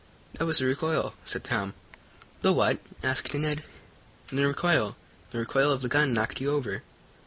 "That was the recoil," said Tom. "The what?" asked Ned. "The recoil. The recoil of the gun knocked you over."